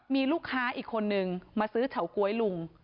มีลูกค้าอีกคนนึงมาซื้อเฉาก๊วยลุง